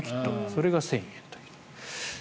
それが１０００円の壁と。